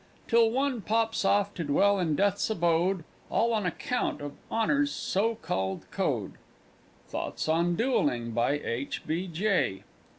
Till one pops off to dwell in Death's Abode All on account of Honour's so called code! _Thoughts on Duelling, by H. B. J.